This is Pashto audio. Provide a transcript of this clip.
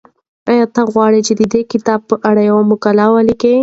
ایا ته غواړې چې د دې کتاب په اړه یوه مقاله ولیکې؟